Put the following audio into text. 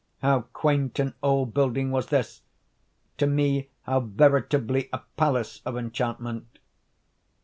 —how quaint an old building was this!—to me how veritably a palace of enchantment!